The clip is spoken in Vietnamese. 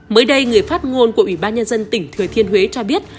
mới đây người phát ngôn của ủy ban nhân dân tỉnh thừa thiên huế cho biết